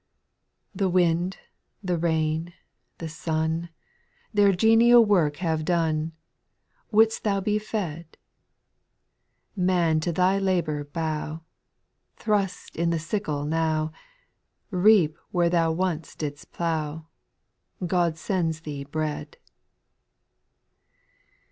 266 8. The wind, the rain, the sun, Their genial work have done ;— Would'st thou be fed ? Man to thy labour bow, Thrust in the sickle now. Reap where thou once did'st plough God sends thee bread.